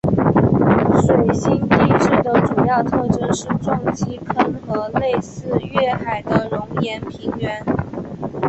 水星地质的主要特征是撞击坑和类似月海的熔岩平原。